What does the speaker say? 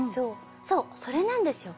そうそれなんですよ。